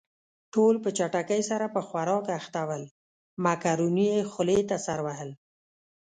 ټول په چټکۍ سره په خوراک اخته ول، مکروني يې خولې ته سر وهل.